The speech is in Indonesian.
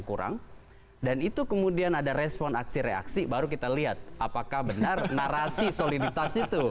kurang dan itu kemudian ada respon aksi reaksi baru kita lihat apakah benar narasi soliditas itu